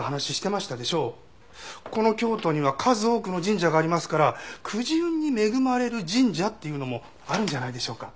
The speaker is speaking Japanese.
この京都には数多くの神社がありますからくじ運に恵まれる神社っていうのもあるんじゃないでしょうか。